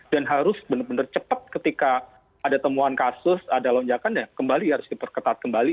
dan harus benar benar cepat ketika ada temuan kasus ada lonjakan ya kembali harus diperketat kembali